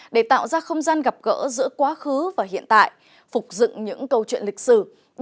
để tạo ra không gian gặp gỡ giữa quá khứ và hiện tại phục dựng những câu chuyện lịch sử